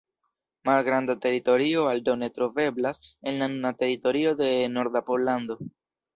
Malgranda teritorio aldone troveblas en la nuna teritorio de norda Pollando.